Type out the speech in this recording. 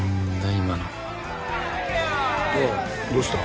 今のおいどうした？